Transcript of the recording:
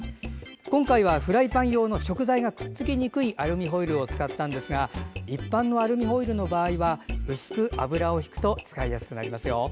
今回はフライパン用の食材がくっつきにくいアルミホイルを使ったんですが一般のアルミホイルの場合は薄く油をひくと使いやすくなりますよ。